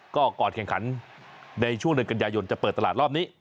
ก็ก่อนแข่งขันในช่วงเดือนกันยายนจะเปิดตลาดรอบนี้